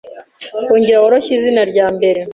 Ongera woroshye izina rya mbere